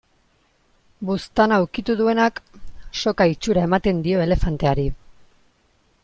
Buztana ukitu duenak, soka itxura ematen dio elefanteari.